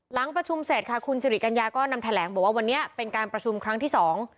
หลังประชุมเสร็จค่ะคุณสิริกัญญาก็นำแถลงบอกว่าวันนี้เป็นการประชุมครั้งที่สอง